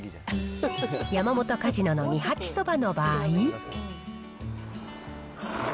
山本かじのの二八そばの場合。